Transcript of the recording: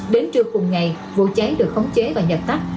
đến trưa cùng ngày vụ cháy được khống chế và nhật tắt